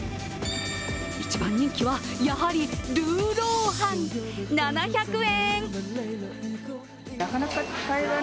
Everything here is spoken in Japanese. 一番人気は、やはりルーローハン、７００円。